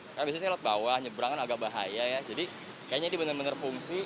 karena biasanya lot bawah nyebrangan agak bahaya ya jadi kayaknya ini benar benar fungsi